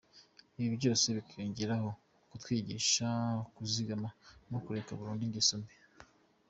Ibi byose bikiyongeraho kutwigisha kwizigama no kureka burundu ingeso mbi.